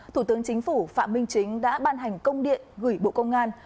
thủ tướng chính phủ phạm minh chính đã ban hành công điện gửi bộ công an